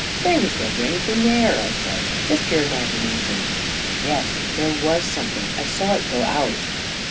11 There was never anything there," I said; " just your imagination." " Yes, there was something — I saw it go out."